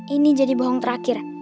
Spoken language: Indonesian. ini jadi bohong terakhir